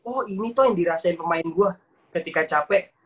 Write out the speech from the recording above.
oh ini tuh yang dirasain pemain gue ketika capek